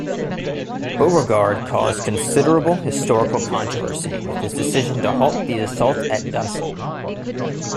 Beauregard caused considerable historical controversy with his decision to halt the assault at dusk.